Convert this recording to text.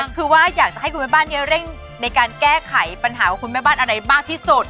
คือว่าอยากจะให้คุณแม่บ้านนี้เร่งในการแก้ไขปัญหาว่าคุณแม่บ้านอะไรมากที่สุด